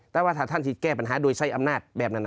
แต่ว่าถ้าท่านที่แก้ปัญหาโดยใช้อำนาจแบบนั้น